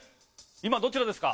今どちらですか？